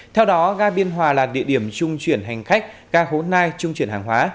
theo đó ga biên hòa là địa điểm trung chuyển hành khách ga hố nai trung chuyển hàng hóa